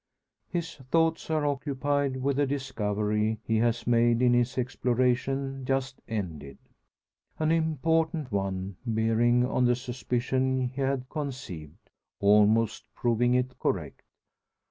His thoughts are occupied with a discovery he has made in his exploration just ended. An important one, bearing on the suspicion he had conceived, almost proving it correct.